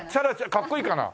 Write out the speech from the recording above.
かっこいいかな？